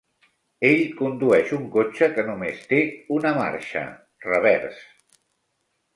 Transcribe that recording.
Ell condueix un cotxe que només té una marxa, revers.